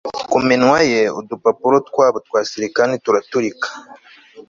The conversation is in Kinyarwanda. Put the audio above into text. Ku minwa ye udupapuro twabo twa silikani turaturika